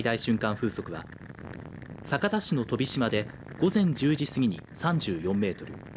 風速は酒田市の飛島で午前１０時過ぎに３４メートル